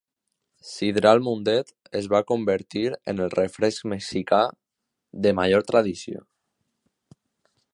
Sidral Mundet es va convertir en el refresc mexicà de major tradició.